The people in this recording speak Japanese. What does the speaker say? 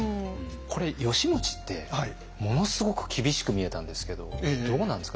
これ義持ってものすごく厳しく見えたんですけどどうなんですか？